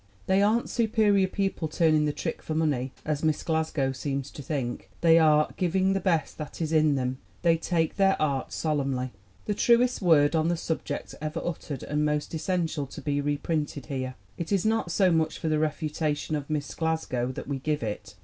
They aren't superior people turning the trick for money, as Miss Glasgow seems to think; they are 'giving the best that is in them/ They take their art solemnly." The truest word on the subject ever uttered and most essential to be reprinted here. It is not so much for the refutation of Miss Glasgow that we give it.